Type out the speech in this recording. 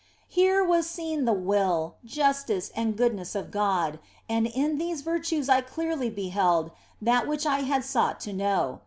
Here was seen the will, justice, and goodness of God, and in these virtues I clearly beheld that which I had sought to know.